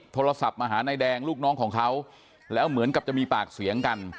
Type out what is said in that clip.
โทรศัพท์มาหานายแดงลูกน้องของเขาแล้วเหมือนกับจะมีปากเสียงกัน